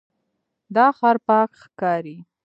دا ښار پاک ښکاري.